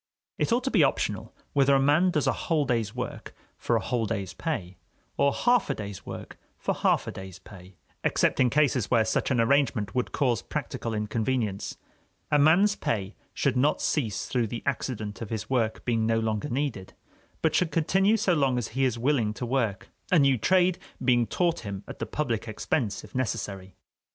It ought to be optional whether a man does a whole day's work for a whole day's pay, or half a day's work for half a day's pay, except in cases where such an arrangement would cause practical inconvenience. A man's pay should not cease through the accident of his work being no longer needed, but should continue so long as he is willing to work, a new trade being taught him at the public expense, if necessary.